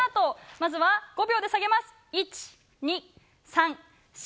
まずは５秒で下げます。